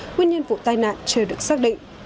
nguyên nhân vụ tai nạn chưa được xác định